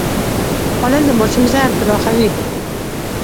خوړل د ماشوم ذهن پراخوي